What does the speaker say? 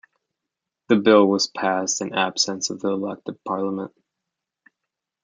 The bill was passed in the absence of the elected Parliament.